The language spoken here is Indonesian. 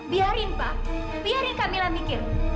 biarin pak biarin kamilah mikir